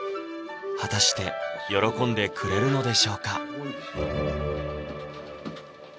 果たして喜んでくれるのでしょうか？